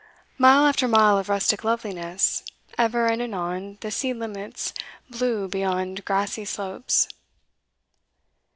Mile after mile of rustic loveliness, ever and anon the sea limits blue beyond grassy slopes.